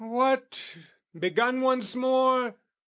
"What, begun once more?